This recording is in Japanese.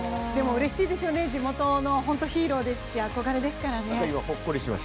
うれしいですよね、地元のヒーローですし憧れですからね。